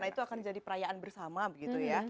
nah itu akan jadi perayaan bersama begitu ya